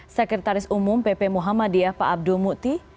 sekretaris umum pp muhammadiyah pak abdul mukti